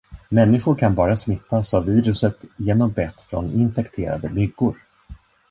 Människor kan bara smittas av viruset genom bett från infekterade myggor.